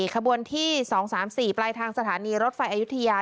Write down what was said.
ขบวนที่๒๓๔ปลายทางสถานีรถไฟอายุทยา